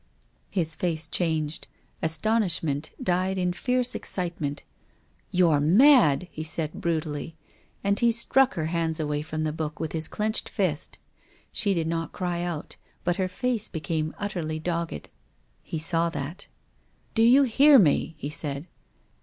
His face changed. Astonishment died in fierce excitement. "You're mad !" he said brutally. And he struck her hands away from the book with his clenched fist. She did not cry out, but her face became utterly dogged. He saw that. " D'you hear me ?" he said.